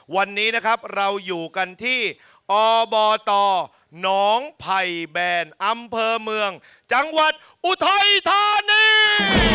วันนี้นะครับเราอยู่กันที่อบตหนองไผ่แบนอำเภอเมืองจังหวัดอุทัยธานี